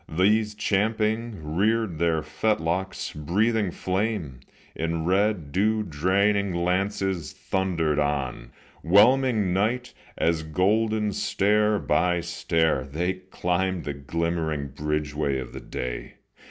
These, champing, reared their fetlocks; breathing flame, In red, dew draining lances, thundered on, 'Whelming night, as golden stair by stair They climbed the glimmering bridgeway of the day.